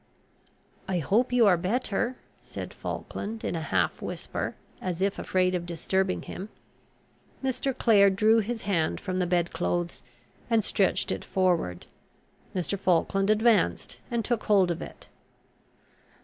"I hope you are better," said Falkland in a half whisper, as if afraid of disturbing him. Mr. Clare drew his hand from the bed clothes, and stretched it forward; Mr. Falkland advanced, and took hold of it.